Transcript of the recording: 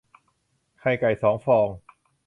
ไข่ไก่สองฟอง